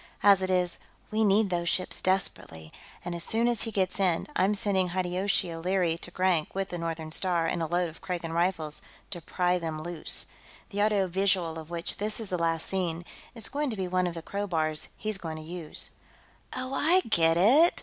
As it is, we need those ships desperately, and as soon as he gets in, I'm sending Hideyoshi O'Leary to Grank with the Northern Star and a load of Kragan Rifles, to pry them loose. The audio visual of which this is the last scene is going to be one of the crowbars he's going to use." "Oh! I get it!"